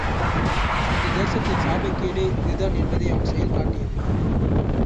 இந்தத் தேசத்தின் சாபக்கேடே இதுதான் என்பதை அவன் செயல் காட்டியது.